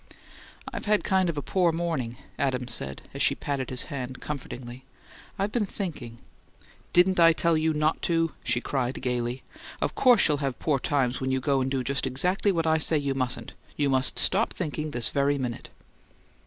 "I've had kind of a poor morning," Adams said, as she patted his hand comfortingly. "I been thinking " "Didn't I tell you not to?" she cried, gaily. "Of course you'll have poor times when you go and do just exactly what I say you mustn't. You stop thinking this very minute!"